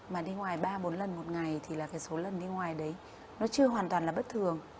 mà đi ngoài ba bốn lần một ngày thì là cái số lần đi ngoài đấy nó chưa hoàn toàn là bất thường